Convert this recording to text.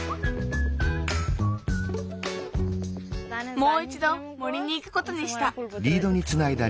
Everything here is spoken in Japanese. もういちど森にいくことにした。